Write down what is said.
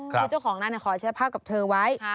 คือเจ้าของนั้นขอแชร์ภาพกับเธอไว้